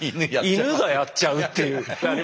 イヌがやっちゃうっていう。